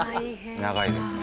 長いですね。